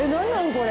これ。